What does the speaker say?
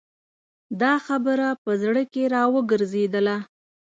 دا خبره په زړه کې را وګرځېدله.